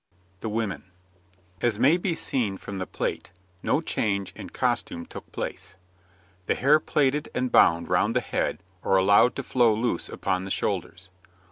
THE WOMEN As may be seen from the plate, no change in costume took place. The hair plaited and bound round the head or allowed to flow loose upon the shoulders.